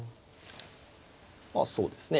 まあそうですね。